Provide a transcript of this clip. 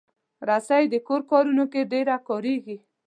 رسۍ د کور کارونو کې ډېره کارېږي.